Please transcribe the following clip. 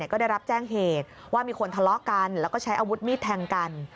ก็ได้รับแจ้งเหตุว่ามีคนทะเลาะกันแล้วก็ใช้อาวุธมีดแทงกัน